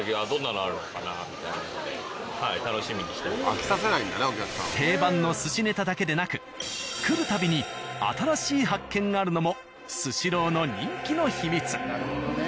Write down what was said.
あとは定番の寿司ネタだけでなく来る度に新しい発見があるのも「スシロー」の人気の秘密。